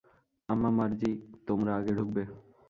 আম্মা, মার্জি, তোমরা আগে ঢুকবে।